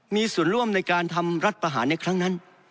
มีส่วนร่วมในการทำรัฐประหารในครั้งนั้น